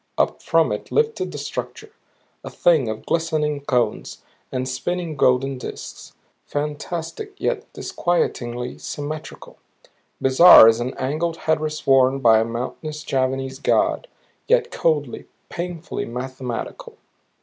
Up from it lifted the structure, a thing of glistening cones and spinning golden disks; fantastic yet disquietingly symmetrical; bizarre as an angled headdress worn by a mountainous Javanese god yet coldly, painfully mathematical.